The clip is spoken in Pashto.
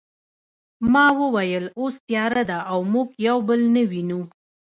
ما وویل اوس تیاره ده او موږ یو بل نه وینو